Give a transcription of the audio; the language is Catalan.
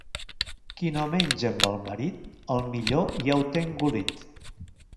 Qui no menja amb el marit, el millor ja ho té engolit.